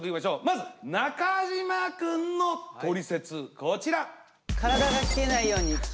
まず中島くんのトリセツこちら。